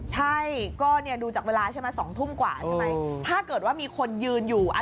ใช่ก็เนี่ยดูจากเวลาใช่ไหม๒ทุ่มกว่าใช่ไหมถ้าเกิดว่ามีคนยืนอยู่